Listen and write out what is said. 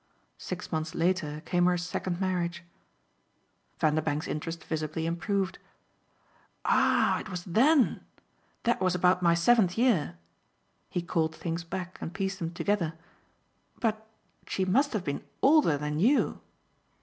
Six months later came her second marriage." Vanderbank's interest visibly improved. "Ah it was THEN? That was about my seventh year." He called things back and pieced them together. "But she must have been older than you."